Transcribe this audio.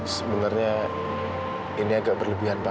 sebenarnya ini agak berlebihan pak